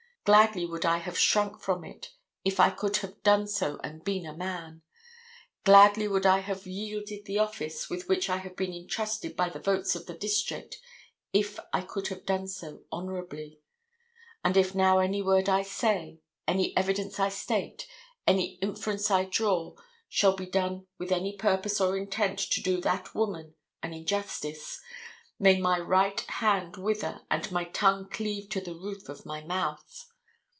Gladly would I have shrunk from it if I could have done so and been a man. Gladly would I have yielded the office with which I have been intrusted by the votes of this district if I could have done so honorably. And if now any word I say, any evidence I state, any inference I draw, shall be done with any purpose or intent to do that woman an injustice, may my right hand wither and my tongue cleave to the roof of my mouth.